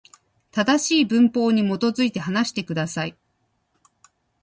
正しい文法に基づいて、話してください。